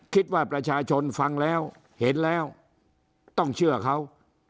คิดว่าประชาชนฟังแล้วเห็นแล้วต้องเชื่อเขา